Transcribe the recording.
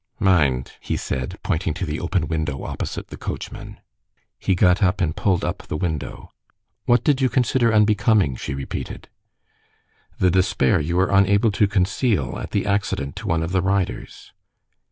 "Mind," he said, pointing to the open window opposite the coachman. He got up and pulled up the window. "What did you consider unbecoming?" she repeated. "The despair you were unable to conceal at the accident to one of the riders."